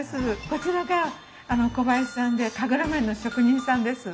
こちらが小林さんで神楽面の職人さんです。